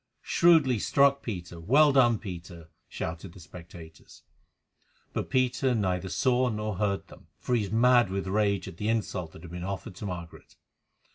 "Shrewdly struck, Peter! Well done, Peter!" shouted the spectators. But Peter neither saw nor heard them, for he was mad with rage at the insult that had been offered to Margaret.